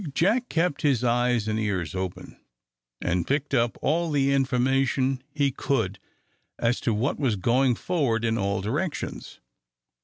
Jack kept his eyes and ears open, and picked up all the information he could as to what was going forward in all directions.